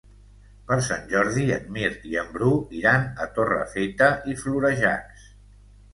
Per Sant Jordi en Mirt i en Bru iran a Torrefeta i Florejacs.